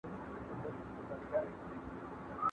¬ د زور اوبه پر لوړه ځي.